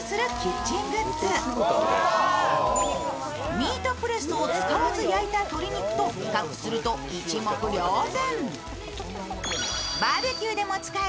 ミートプレスを使わず焼いた鶏肉と比較すると一目瞭然。